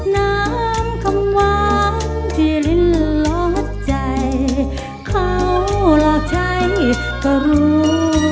น้ำคำหวังที่ลิ้นลอดใจเขาหลอกใจก็รู้